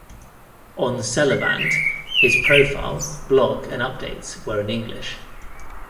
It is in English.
On Sellaband, his profile, blog and updates were in English.